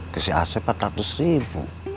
kasih ac rp empat ratus